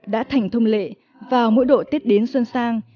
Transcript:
đã thành thông lệ vào mỗi độ tết đến xuân sang